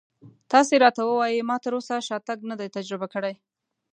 تاسې راته ووایئ ما تراوسه شاتګ نه دی تجربه کړی.